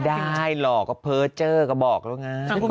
ไม่ได้หรอกเพิร์ตเจอก็บอกแล้วนะ